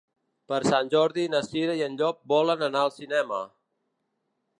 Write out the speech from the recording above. Per Sant Jordi na Cira i en Llop volen anar al cinema.